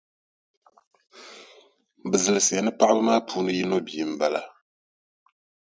Bɛ zilisiya ni napaɣiba maa puuni yino bia m-bala.